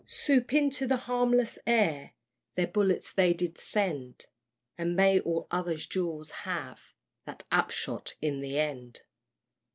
Soup into the harmless air Their bullets they did send; And may all other duels have That upshot in the end!